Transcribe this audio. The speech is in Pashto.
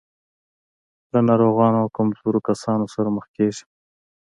له ناروغو او کمزورو کسانو سره مخ کېږي.